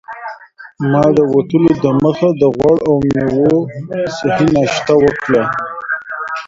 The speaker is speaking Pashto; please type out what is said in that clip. ما د وتلو دمخه د غوړ او میوو صحي ناشته وکړه.